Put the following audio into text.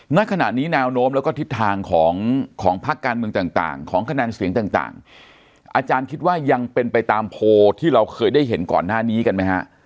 ณขณะนี้แนวโน้มแล้วก็ทิศทางของพักการเมืองต่างของคะแนนเสียงต่างอาจารย์คิดว่ายังเป็นไปตามโพลที่เราเคยได้เห็นก่อนหน้านี้กันไหมฮะ